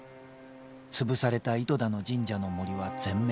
潰された糸田の神社の森は全滅。